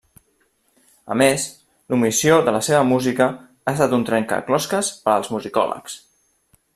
A més, l'omissió de la seva música ha estat un trencaclosques per als musicòlegs.